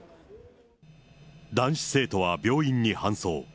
男子生徒は病院に搬送。